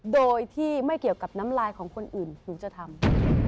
โดยที่ไม่เกี่ยวกับน้ำลายของคนอื่นหนูจะทำ